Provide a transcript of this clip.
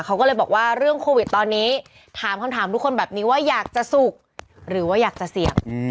เขาก็เลยบอกว่าเรื่องโควิดตอนนี้ถามคำถามทุกคนแบบนี้ว่าอยากจะสุกหรือว่าอยากจะเสี่ยง